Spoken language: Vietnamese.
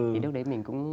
thì lúc đấy mình cũng